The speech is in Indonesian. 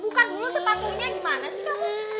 bukan dulu sepatunya gimana sih kamu